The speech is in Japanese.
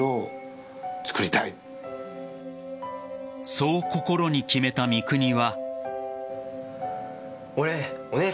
そう心に決めた三國は。